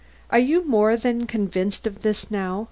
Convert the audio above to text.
Are you more than convinced of this now?